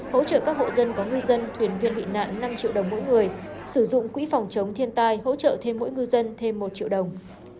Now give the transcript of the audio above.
hỗ trợ các hộ dân có ngư dân tuyên viên bị nạn năm triệu đồng mỗi người sử dụng quỹ phòng chống thiên tai hỗ trợ thêm mỗi ngư dân thêm một triệu đồng